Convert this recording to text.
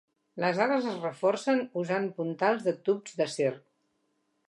Les ales es reforcen usant puntals de tub d"acer.